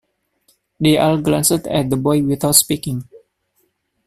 They all glanced at the boy without speaking.